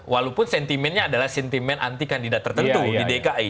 walaupun sentimennya adalah sentimen anti kandidat tertentu di dki